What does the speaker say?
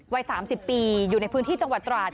วัย๓๐ปีอยู่ในพื้นที่จังหวัดตราด